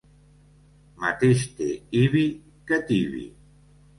Mateix té Ibi que Tibi.